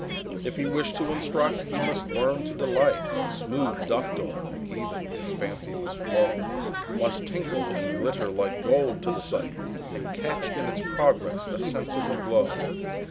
If he wish to instruct, he must learn to delight, Smooth, ductile, and even, his fancy must flow, Must tinkle and glitter like gold to the sight, And catch in its progress a sensible glow.